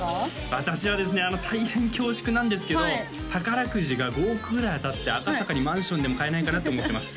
私はですね大変恐縮なんですけど宝くじが５億ぐらい当たって赤坂にマンションでも買えないかなって思ってます